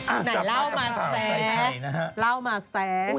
อ้าวจับหัวอาุต์มาแซน